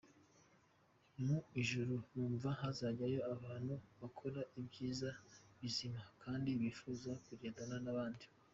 Mu ijuru numva ko hazajya abantu bakora ibyiza bizima, kandi bifuza kugendana n’abandi.”